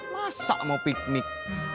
masa mau piknik